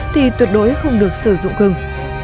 thì tuyệt đối không được sử dụng gừng